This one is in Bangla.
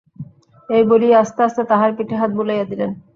এই বলিয়া আস্তে আস্তে তাহার পিঠে হাত বুলাইয়া দিলেন।